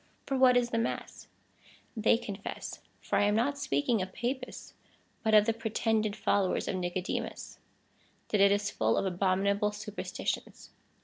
For what is the mass ? They confess (for I am not speaking of Papists, but of the pretended followers of Ni codemus) that it is full of abominable superstitions.